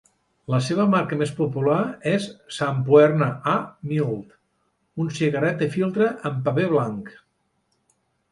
La seva marca més popular és Sampoerna "A" Mild, un cigarret de filtre en paper blanc.